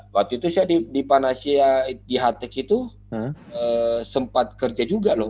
waktu itu saya di panasia di hatex itu sempat kerja juga loh